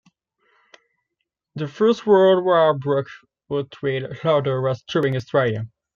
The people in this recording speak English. The First World War broke out while Lauder was touring Australia.